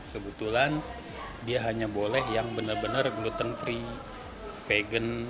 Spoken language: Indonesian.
kebetulan dia hanya boleh yang benar benar gluten free vegan